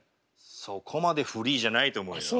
そこまでフリーじゃないと思うよ。